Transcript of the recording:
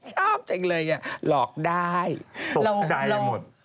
ชอบจังเลยหลอกได้ตกใจหมด